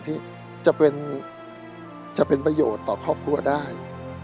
ที่จะเป็นประโยชน์ต่อครอบครัวได้